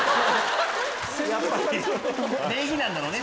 礼儀なんだろうね。